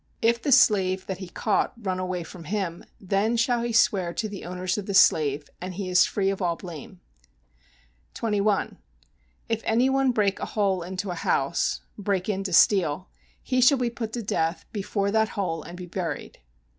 If the slave that he caught run away from him, then shall he swear to the owners of the slave, and he is free of all blame. 21. If any one break a hole into a house [break in to steal], he shall be put to death before that hole and be buried.